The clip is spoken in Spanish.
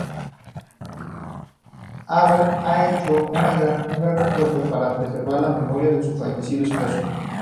Abo ha hecho un gran esfuerzo para preservar la memoria de su fallecido esposo.